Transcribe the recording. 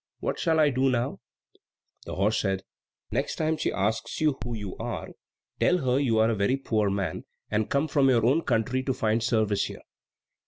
What shall I do now?" The horse said, "Next time she asks you who you are, tell her you are a very poor man, and came from your own country to find service here."